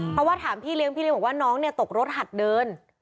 เพราะว่าถามพี่เลี้ยพี่เลี้ยบอกว่าน้องเนี่ยตกรถหัดเดิน